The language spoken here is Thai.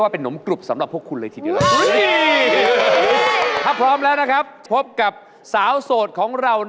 แต่งงานไหมแต่งงาน